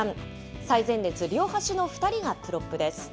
最前列、両端の２人がプロップです。